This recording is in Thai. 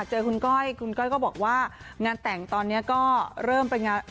เจอคุณก้อยคุณก้อยก็บอกว่างานแต่งตอนนี้ก็เริ่มไปงาน